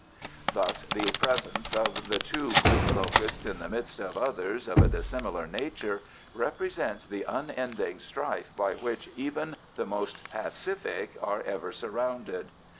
Thus the presence of the two green locusts in the midst of others of a dissimilar nature represents the unending strife by which even the most pacific are ever surrounded.